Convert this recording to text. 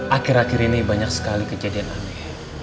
akhir akhir ini banyak sekali kejadian aneh